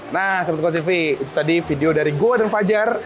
nah sabar sabar sivy itu tadi video dari gue dan fajar